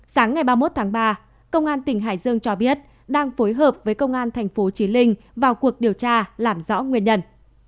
sáng ngày ba mươi một tháng ba công an tỉnh hải dương cho biết đang phối hợp với công an tp hcm vào cuộc điều tra làm rõ nguyên nhân